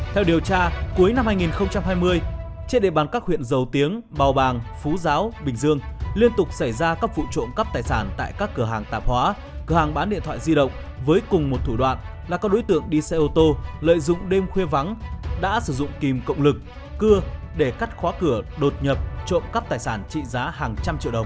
theo điều tra cuối năm hai nghìn hai mươi trên địa bàn các huyện dầu tiếng bào bàng phú giáo bình dương liên tục xảy ra các vụ trộm cắp tài sản tại các cửa hàng tạp hóa cửa hàng bán điện thoại di động với cùng một thủ đoạn là các đối tượng đi xe ô tô lợi dụng đêm khuya vắng đã sử dụng kìm cộng lực cưa để cắt khóa cửa đột nhập trộm cắp tài sản trị giá hàng trăm triệu đồng